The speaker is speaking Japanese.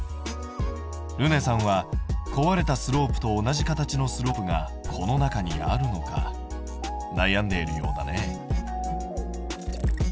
るねさんは壊れたスロープと同じ形のスロープがこの中にあるのか悩んでいるようだね。